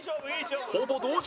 ほぼ同時！